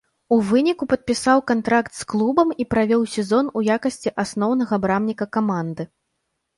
У выніку падпісаў кантракт з клубам і правёў сезон у якасці асноўнага брамніка каманды.